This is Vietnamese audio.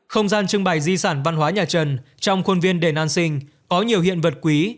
không gian trưng bày di sản văn hóa nhà trần trong khuôn viên đền an sinh có nhiều hiện vật quý